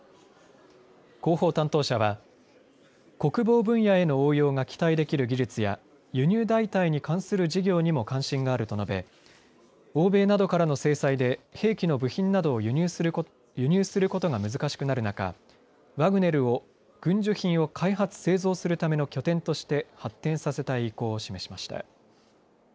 広報担当者は国防分野への応用が期待できる技術や輸入代替に関する事業にも関心があると述べ欧米などからの制裁で兵器の部品などを輸入することが難しくなる中、ワグネルを軍需品を開発、製造するための拠点として発展させたい意向を示しました。